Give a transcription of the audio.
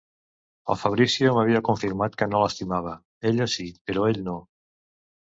El Fabrizio m'havia confirmat que no l'estimava... ella sí, però ell no!